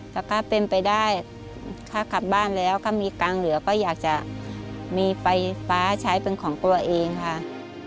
ถ้าข้าเป็นไปได้ข้าขับบ้านแล้วก็มีกลางเหลือก็อยากจะมีไฟฟ้าใช้เป็นของกลัวเองค่ะ